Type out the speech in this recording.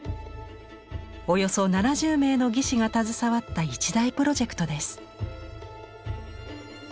およそ７０名の技師が携わった一大プロジェクトです。